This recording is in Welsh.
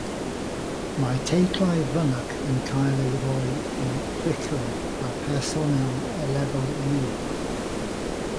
Mae'r teitlau'n fynych yn cael eu rhoi i “bucho” a phersonél lefel uwch.